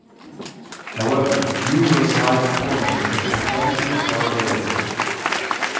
However, numerous live recordings of his performances are available.